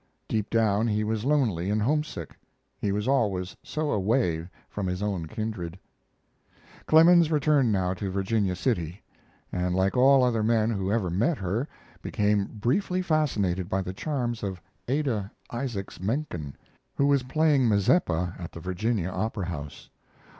Deep down, he was lonely and homesick; he was always so away from his own kindred. Clemens returned now to Virginia City, and, like all other men who ever met her, became briefly fascinated by the charms of Adah Isaacs Menken, who was playing Mazeppa at the Virginia Opera House.